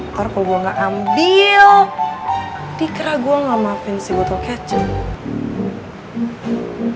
ntar kalo gue enggak ambil dikerah gue enggak maafin si botol kecap